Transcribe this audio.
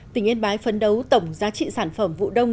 tỉnh yên bái phấn đấu tổng giá trị sản phẩm vụ đông